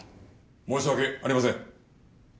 申し訳ありません。